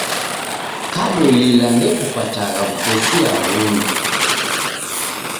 Kadolila ndekupatagha w'utesia ghungi